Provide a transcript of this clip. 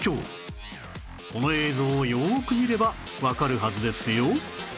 この映像をよーく見ればわかるはずですよ